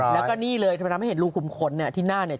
แล้วก็นี่เลยทำไมทำให้เห็นรูขุมขนเนี่ยที่หน้าเนี่ย